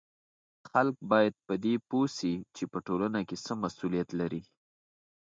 خلک باید په دې پوه سي چې په ټولنه کې څه مسولیت لري